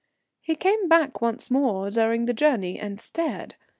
He came back more than once during the journey and stared.